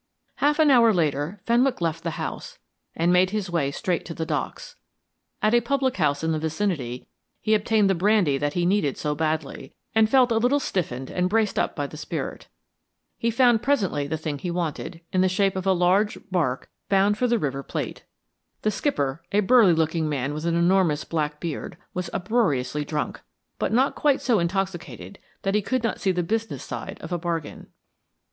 Half an hour later, Fenwick left the house and made his way straight to the Docks. At a public house in the vicinity he obtained the brandy that he needed so badly, and felt a little stiffened and braced up by the spirit. He found presently the thing he wanted, in the shape of a large barque bound for the River Plate. The skipper, a burly looking man with an enormous black beard, was uproariously drunk, but not quite so intoxicated that he could not see the business side of a bargain.